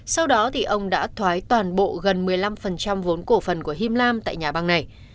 sau đó ông đã thoái toàn bộ gần một mươi năm vốn cổ phần của him lam tại nhà băng này